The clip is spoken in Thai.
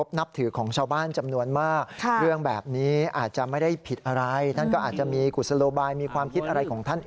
ก็คือนายอำเภอสุวัตรเบ้าจังหารบอกว่า